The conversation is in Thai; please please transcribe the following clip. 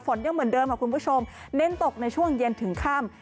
ยังเหมือนเดิมค่ะคุณผู้ชมเน้นตกในช่วงเย็นถึงค่ำ